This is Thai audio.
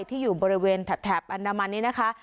ที่อยู่บริเวณแถบอันดามันนี้นะคะ